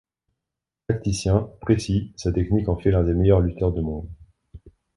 Tacticien, précis, sa technique en fait l'un des meilleurs lutteurs de monde.